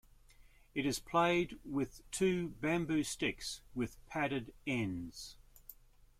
It is played with two bamboo sticks with padded ends.